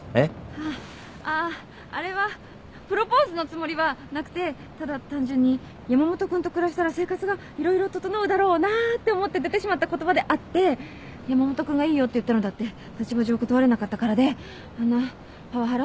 あっああれはプロポーズのつもりはなくてただ単純に山本君と暮らしたら生活が色々整うだろうなって思って出てしまった言葉であって山本君がいいよって言ったのだって立場上断れなかったからであんなパワハラ？